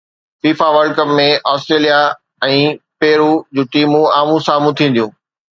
FIFA world cup ۾ Australia ۽ Peru جون ٽيمون آمهون سامهون ٿينديون